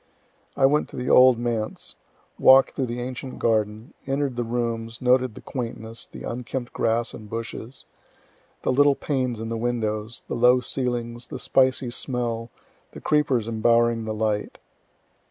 I went to the old Manse, walk'd through the ancient garden, enter'd the rooms, noted the quaintness, the unkempt grass and bushes, the little panes in the windows, the low ceilings, the spicy smell, the creepers embowering the light.